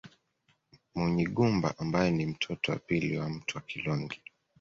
Munyigumba ambaye ni mtoto wa pili wa Mtwa Kilonge